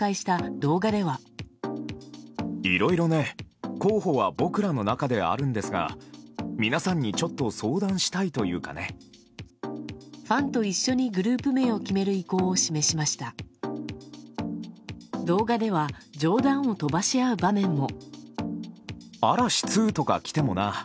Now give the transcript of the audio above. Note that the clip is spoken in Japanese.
動画では冗談を飛ばし合う場面も。